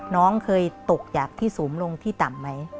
น้องเคยตกจากที่สูงลงที่ต่ำไหม